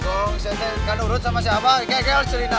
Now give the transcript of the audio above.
kalo misalnya ikan urut sama siapa kekel celina